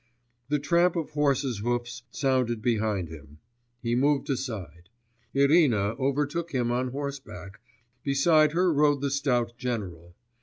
The tramp of horses' hoofs sounded behind him.... He moved aside.... Irina overtook him on horseback; beside her rode the stout general.